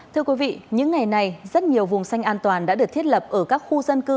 thưa quý vị những ngày này rất nhiều vùng xanh an toàn đã được thiết lập ở các khu dân cư